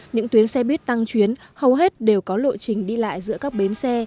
những tuyến xe buýt tăng chuyến hầu hết đều có lộ trình đi lại giữa các bến xe